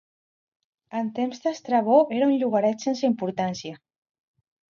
En temps d'Estrabó era un llogaret sense importància.